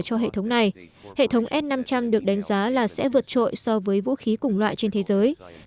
cho hệ thống này hệ thống s năm trăm linh được đánh giá là sẽ vượt trội so với vũ khí cùng loại trên thế giới